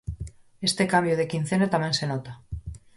Este cambio de quincena tamén se nota.